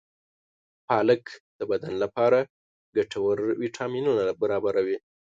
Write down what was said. پالک د بدن لپاره ګټور ویټامینونه برابروي.